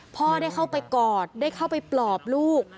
พ่อได้เข้าไปกอดได้เข้าไปปลอบลูก